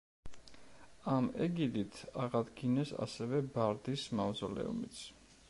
ამ ეგიდით აღადგინეს ასევე ბარდის მავზოლეუმიც.